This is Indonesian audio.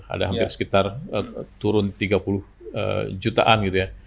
ada sekitar turun tiga puluh jutaan